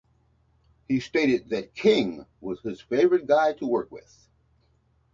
He stated that King was his favorite guy to work with.